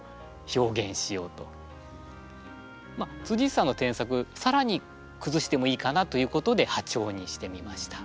まっ内さんの添削さらにくずしてもいいかなということで破調にしてみました。